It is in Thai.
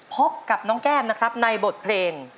พบกับน้องแก้มนะครับในบทเพลง